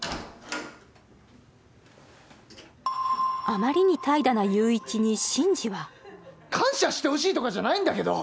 あまりに怠惰な裕一に伸二は感謝してほしいとかじゃないんだけど！